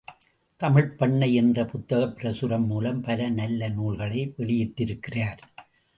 தமிழ்ப் பண்ணை என்ற புத்தகப் பிரசுரம் மூலம் பல நல்ல நூல்களை வெளியிட்டிருக்கிறார்.